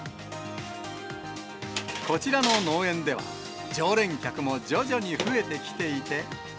こちらの農園では、常連客も徐々に増えてきていて。